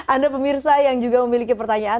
anda pemirsa yang juga memiliki pertanyaan